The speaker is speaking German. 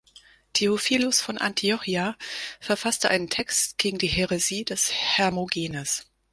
Theophilus von Antiochia verfasste einen Text gegen die Häresie des Hermogenes.